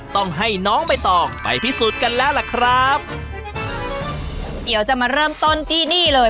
ต้องให้น้องใบตองไปพิสูจน์กันแล้วล่ะครับเดี๋ยวจะมาเริ่มต้นที่นี่เลย